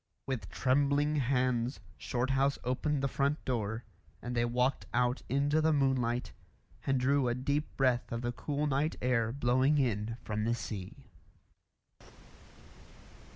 With trembling hands Shorthouse opened the front door, and they walked out into the moonlight and drew a deep breath of the cool night air blowing in from the sea.